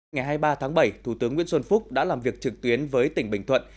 ngày hai mươi ba tháng bảy thủ tướng nguyễn xuân phúc đã làm việc trực tuyến với tỉnh bình thuận